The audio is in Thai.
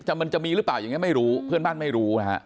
มันจะมีหรือเปล่าอย่างนี้ไม่รู้เพื่อนบ้านไม่รู้นะฮะ